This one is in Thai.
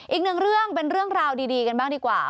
อีกหนึ่งเรื่องเป็นเรื่องราวดีกันบ้างดีกว่า